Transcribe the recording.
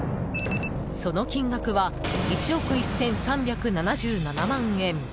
その金額は１億１３７７万円。